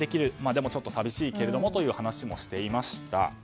でもちょっと寂しいけれどもという話もしていました。